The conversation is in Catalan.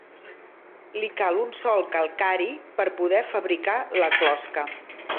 Li cal un sòl calcari per poder fabricar la closca.